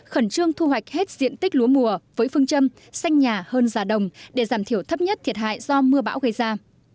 khẩn trương thu hoạch hết diện tích lúa mùa với phương châm xanh nhà hơn già đồng để giảm thiểu thấp nhất thiệt hại do mưa bão gây ra